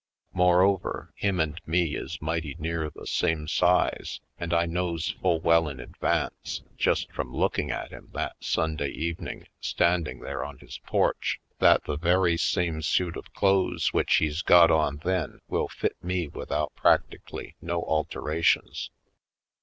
More over, him and me is mighty near the same size and I knows full well in advance, just from looking at him that Sunday evening standing there on his porch, that the very same suit of clothes which he's got on then Down Yonder 21 will fit me without practically no altera tions.